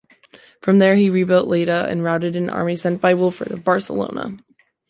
From there he rebuilt Lleida and routed an army sent by Wilfred of Barcelona.